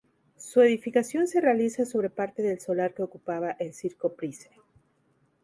Su edificación se realiza sobre parte del solar que ocupaba el Circo Price.